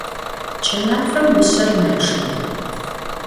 Ç'ımafem mışser meççıê.